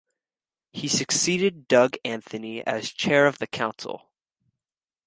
He succeeded Doug Anthony as chair of the council.